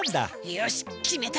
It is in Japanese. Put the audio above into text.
よし決めた。